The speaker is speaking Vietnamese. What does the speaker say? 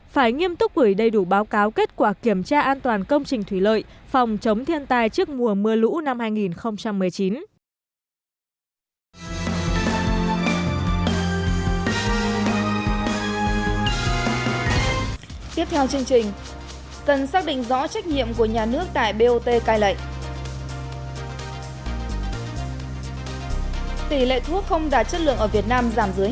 phải nghiêm túc gửi đầy đủ báo cáo kết quả kiểm tra an toàn công trình thủy lợi phòng chống thiên tai trước mùa mưa lũ năm hai nghìn một mươi chín